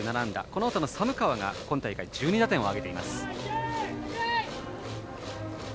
このあとの寒川が今大会１２打点を挙げています。